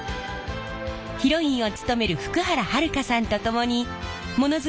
ヒロインを務める福原遥さんと共にモノづくりのまち